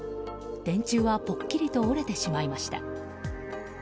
電柱はぽっきりと折れてしまいました。